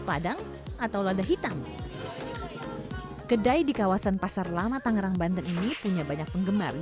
padang atau lada hitam kedai di kawasan pasar lama tangerang banten ini punya banyak penggemar